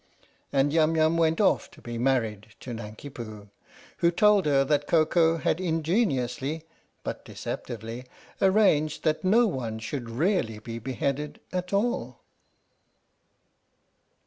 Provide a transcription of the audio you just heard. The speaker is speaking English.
" And Yum Yum went off to be married to Nanki Poo, who told her that Koko had ingeniously (but deceptively) arranged that no one should really be beheaded at all.